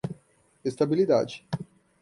estabilidade